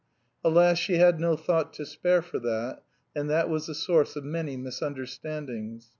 Alas, she had no thought to spare for that, and that was the source of many misunderstandings.